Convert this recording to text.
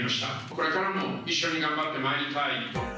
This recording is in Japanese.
これからも一緒に頑張ってまいりたいと。